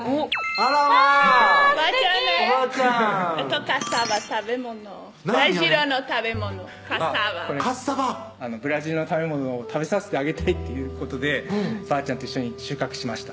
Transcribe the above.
あれブラジルの食べ物キャッサバブラジルの食べ物を食べさせてあげたいということでばあちゃんと一緒に収穫しました